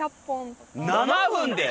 ７分で！？